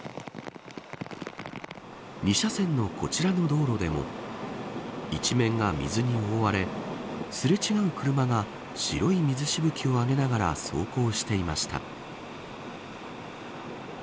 ２車線のこちらの道路でも一面が水に覆われ擦れ違う車が白い水しぶきを上げながら走行していました。